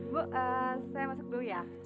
bu saya masuk dulu ya